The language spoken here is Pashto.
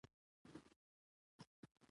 ازادي راډیو د کډوال کیسې وړاندې کړي.